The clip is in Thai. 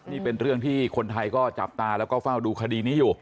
นี่เป็นเรื่องที่คนไทยก็จับตาแล้วก็เฝ้าดูคดีนี้อยู่